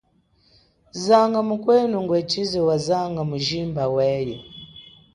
Zanga mukwenu ngwe tshize wa zanga mujimba weye.